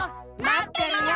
まってるよ！